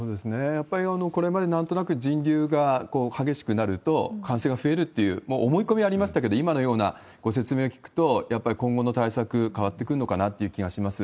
やっぱりこれまで、なんとなく人流が激しくなると、感染が増えるっていう思い込みありましたけど、今のようなご説明聞くと、やっぱり今後の対策、変わってくるのかなという気がします。